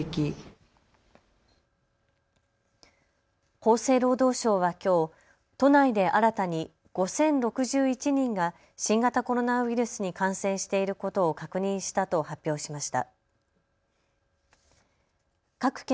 厚生労働省はきょう都内で新たに５０６１人が新型コロナウイルスに感染していることを確認したと発表しました。